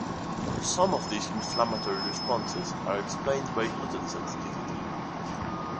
Some of these inflammatory responses are explained by gluten sensitivity.